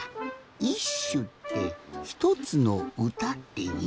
いっしゅってひとつのうたっていういみなんだって。